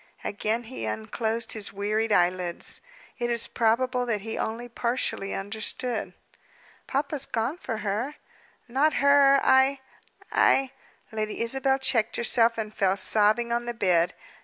Again he unclosed his wearied eyelids. It is probable that he only partially understood. "Papa's gone for her." "Not her! I I " Lady Isabel checked herself, and fell sobbing on the bed.